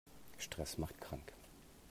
Stress macht krank.